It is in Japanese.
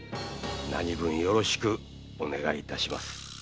何分よろしくお願い致します。